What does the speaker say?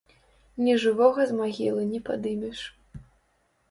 Нежывога з магілы не падымеш.